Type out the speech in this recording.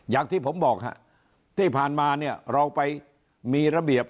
อย่างที่ผมบอกฮะที่ผ่านมาเนี่ยเราไปมีระเบียบ